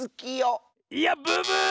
いやブブーッ！